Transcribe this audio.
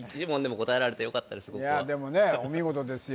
ホントにいやでもねお見事ですよ